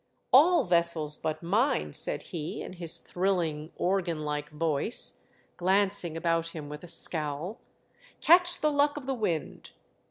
" All vessels but mine," said he, in his thrilling, organ like voice, glancing about him with a scowl, "catch the luck of the wind.